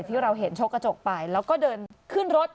ที่เราเห็นชกกระจกไปแล้วก็เดินขึ้นรถ